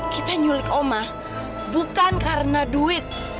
kita nyulik oma bukan karena duit